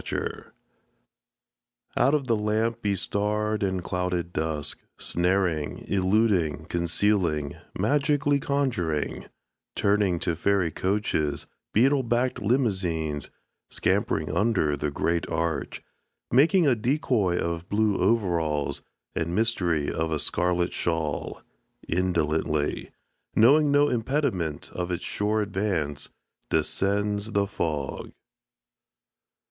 THE FOG Out of the lamp bestarred and clouded dusk Snaring, illuding, concealing, Magically conjuring Turning to fairy coaches Beetle backed limousines Scampering under the great Arch Making a decoy of blue overalls And mystery of a scarlet shawl Indolently Knowing no impediment of its sure advance Descends the fog.